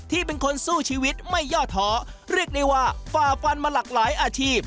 ที่เป็นคนสู้ชีวิตไม่ย่อท้อเรียกได้ว่าฝ่าฟันมาหลากหลายอาชีพ